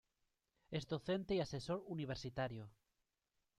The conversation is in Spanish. Es docente y asesor universitario.